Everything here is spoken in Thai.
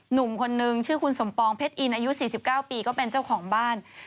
หนุ่มคนนึงชื่อคุณสมปองเพชรอินอายุ๔๙ปีก็เป็นเจ้าของบ้าน